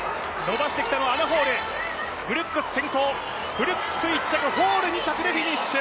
ブルックス１着、ホール、２着でフィニッシュ。